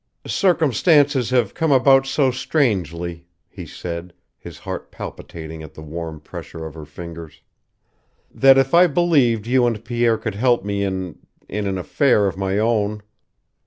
"Circumstances have come about so strangely," he said, his heart palpitating at the warm pressure of her fingers, "that I half believed you and Pierre could help me in in an affair of my own.